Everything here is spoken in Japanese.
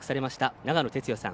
長野哲也さん。